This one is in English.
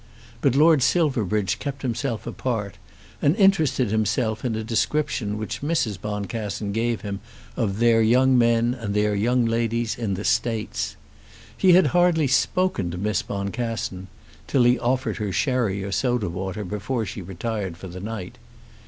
But Lord Silverbridge kept himself apart, and interested himself in a description which Mrs. Boncassen gave him of their young men and their young ladies in the States. He had hardly spoken to Miss Boncassen, till he offered her sherry or soda water before she retired for the night.